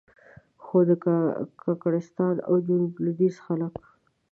خو د کاکړستان او جنوب لوېدیځ خلک.